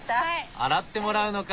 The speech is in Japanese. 洗ってもらうのか。